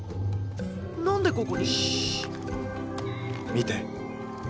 何でここに？シッ！